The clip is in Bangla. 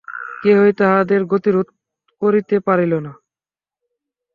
কেহই তাহাদের গতিরোধ করিতে পারিল না।